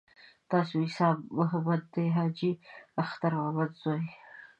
تاسو عیسی محمد د حاجي اختر محمد زوی.